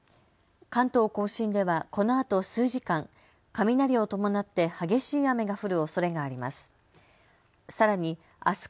関東甲信ではこのあと数時間、雷を伴って激しい雨が降るおそれがあります。